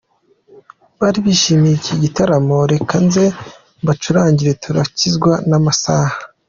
Bari bishimiye iki gitaramoReka nze mbacurangire turakizwa n'amasaha.